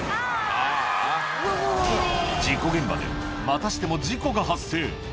事故現場で、またしても事故が発生。